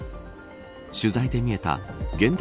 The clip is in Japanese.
取材で見えた現代